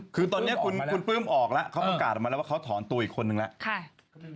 คือตอนนี้คุณปลื้มออกแล้วเขาประกาศออกมาแล้วว่าเขาถอนตัวอีกคนนึงแล้ว